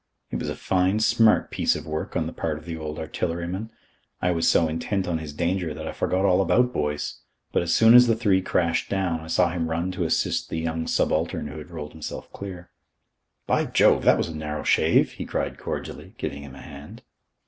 It was a fine, smart piece of work on the part of the old artilleryman. I was so intent on his danger that I forgot all about Boyce: but as soon as the three crashed down, I saw him run to assist the young subaltern who had rolled himself clear. "By Jove, that was a narrow shave!" he cried cordially, giving him a hand.